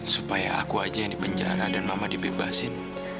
supaya aku aja yang di penjara dan mama dibebasin